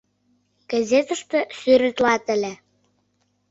— Газетыште сӱретлат ыле.